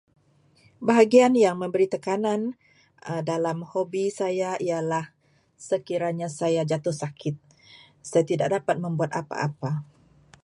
Bahagian yang memberi tekanan dalam hobi saya ialah sekiranya saya jatuh sakit. Saya tidak dapat membuat apa-apa.